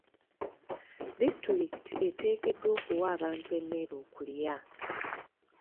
Disitulikiti eteekeddwa okuwa abantu emmere okulya.